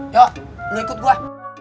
yuk lo ikut gue